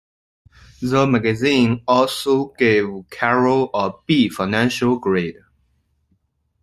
The magazine also gave Carroll a B financial grade.